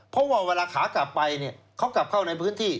เพราะว่าเวลาขากลับไปเนี่ยเขากลับเข้าในพื้นที่